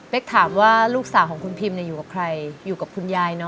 ถามว่าลูกสาวของคุณพิมอยู่กับใครอยู่กับคุณยายเนอ